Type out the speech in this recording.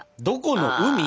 どこの海？